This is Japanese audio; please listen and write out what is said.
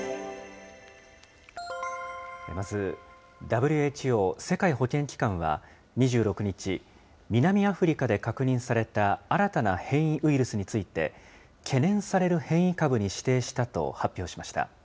まずＷＨＯ・世界保健機関は２６日、南アフリカで確認された新たな変異ウイルスについて、懸念される変異株に指定したと発表しました。